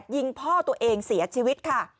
ยิงพ่อตัวเองเสียชีวิตค่ะ